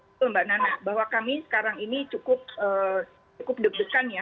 betul mbak nana bahwa kami sekarang ini cukup deg degan ya